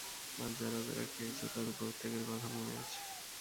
আর যারা যারা খেয়েছে তাদের প্রত্যেকের কথা, মনে আছে।